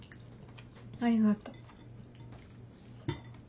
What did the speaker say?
ありがとう。